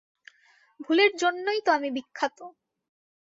ভুলের জন্যেই তো আমি বিখ্যাত।